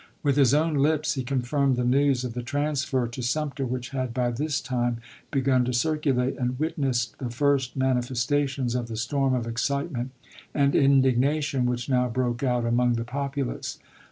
With his own lips, he confirmed the news of the transfer to Sumter which had by this time begun to circulate, and witnessed the first manifestations of the storm of excitement and indignation which now broke out among the populace.